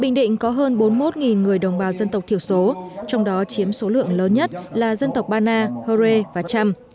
bình định có hơn bốn mươi một người đồng bào dân tộc thiểu số trong đó chiếm số lượng lớn nhất là dân tộc bana horê và trăm